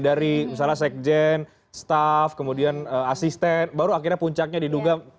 dari misalnya sekjen staff kemudian asisten baru akhirnya puncaknya diduga